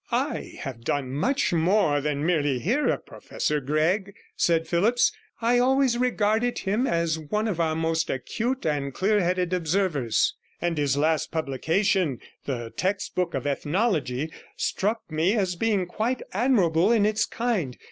'I have done much more than merely hear of Professor Gregg,' said Phillipps. 'I always regarded him as one of our most acute and clear headed observers; and his last publication, the Textbook of Ethnology, struck me as being quite admirable in its kind.